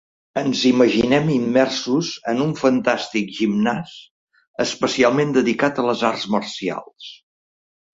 Ens imaginem immersos en un fantàstic gimnàs especialment dedicat a les arts marcials.